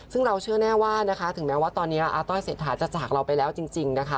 ซึ่งเราเชื่อแน่ว่านะคะถึงแม้ว่าตอนนี้อาต้อยเศรษฐาจะจากเราไปแล้วจริงนะคะ